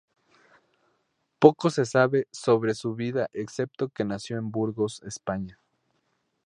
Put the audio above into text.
Poco se sabe sobre su vida excepto que nació en Burgos, España.